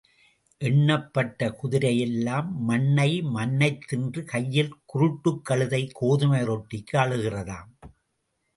எண்ணப்பட்ட குதிரை எல்லாம் மண்ணை மண்ணைத் தின்னு கையில் குருட்டுக் கழுதை கோதுமை ரொட்டிக்கு அழுகிற தாம்.